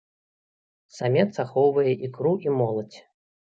Самец ахоўвае ікру і моладзь.